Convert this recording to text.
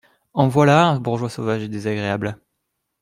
En voilà un bourgeois sauvage et désagréable !…